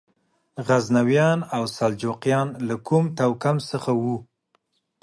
غزنویان او سلجوقیان له کوم توکم څخه وو؟